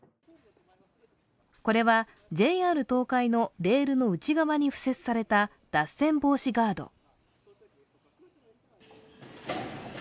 これはＪＲ東海のレールの内側に敷設された脱線防止ガード。